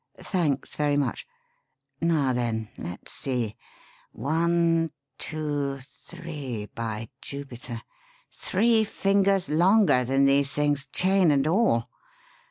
Thanks very much. Now, then, let's see. One, two, three, by Jupiter three fingers longer than these things, chain and all.